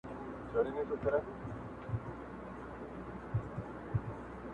اوپر هر میدان کامیابه پر دښمن سې٫